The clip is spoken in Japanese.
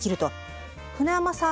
舟山さん。